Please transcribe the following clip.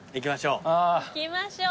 行きましょう。